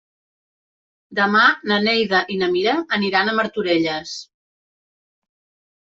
Demà na Neida i na Mira aniran a Martorelles.